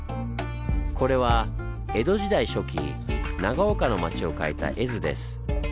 これは江戸時代初期長岡の町を描いた絵図です。